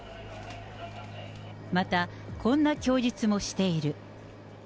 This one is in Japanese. また、こんな供述もしている。